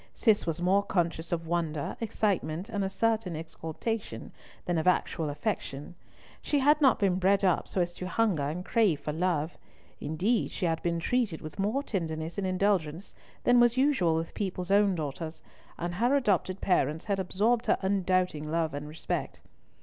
Cis was more conscious of wonder, excitement, and a certain exultation, than of actual affection. She had not been bred up so as to hunger and crave for love. Indeed she had been treated with more tenderness and indulgence than was usual with people's own daughters, and her adopted parents had absorbed her undoubting love and respect.